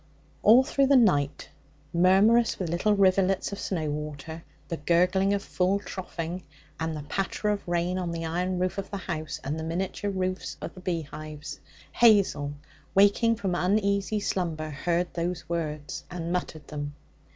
All through the night, murmurous with little rivulets of snow water, the gurgling of full troughing, and the patter of rain on the iron roof of the house and the miniature roofs of the beehives, Hazel, waking from uneasy slumber, heard those words and muttered them.